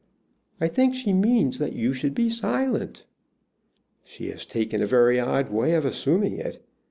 "I think she means that you should be silent." "She has taken a very odd way of assuming it.